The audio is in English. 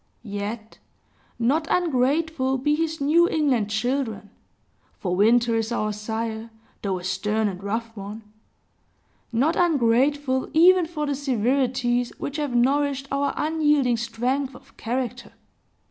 Yet not ungrateful be his New England children, for Winter is our sire, though a stern and rough one, not ungrateful even for the severities, which have nourished our unyielding strength of character.